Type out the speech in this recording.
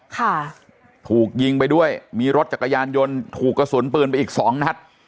ค่ะถูกยิงไปด้วยมีรถจักรยานยนต์ถูกกระสุนปืนไปอีกสองนัด